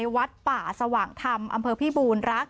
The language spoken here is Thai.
วัดป่าสว่างธรรมอำเภอพิบูรณรัก